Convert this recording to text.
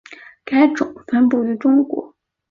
该种分布于中国。